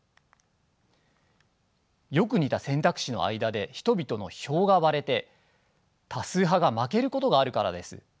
よく似た選択肢の間で人々の票が割れて多数派が負けることがあるからです。